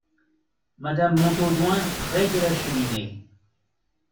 Madame Montaudoin , près de la cheminée.